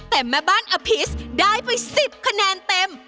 แต่แม่บ้านอภิษได้ไป๑๐คะแนนเต็ม